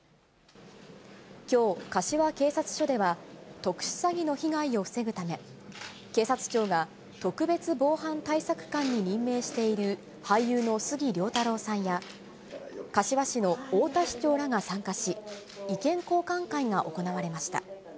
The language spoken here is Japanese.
きょう、柏警察署では、特殊詐欺の被害を防ぐため、警察庁が特別防犯対策監に任命している俳優の杉良太郎さんや、柏市の太田市長らが参加し、意見交換会が行われました。